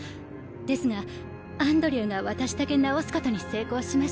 ですがアンドリューが私だけ直すことに成功しました。